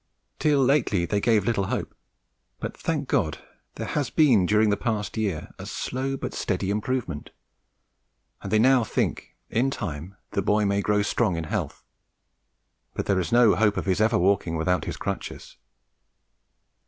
Till lately they gave little hope, but, thank God, there has been during the past year a slow but steady improvement, and they now think in time the boy may grow strong in health, but there is no hope of his ever walking without his crutches.